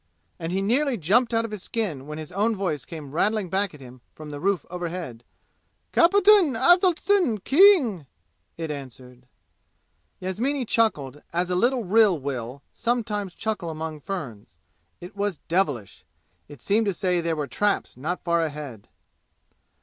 And he nearly jumped out of his skin when his own voice came rattling back at him from the roof overhead. "Cappitin Attleystan King!" it answered. Yasmini chuckled as a little rill will sometimes chuckle among ferns. It was devilish. It seemed to say there were traps not far ahead.